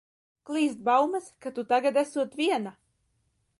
Klīst baumas, ka tu tagad esot viena.